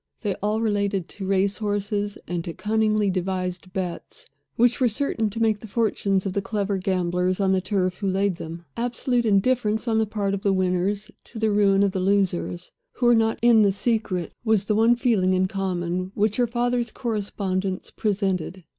They all related to race horses, and to cunningly devised bets which were certain to make the fortunes of the clever gamblers on the turf who laid them. Absolute indifference on the part of the winners to the ruin of the losers, who were not in the secret, was the one feeling in common, which her father's correspondents presented.